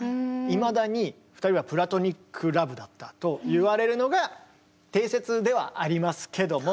いまだに２人はプラトニックラブだったといわれるのが定説ではありますけども。